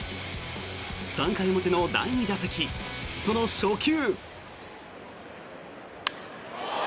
３回表の第２打席その初球。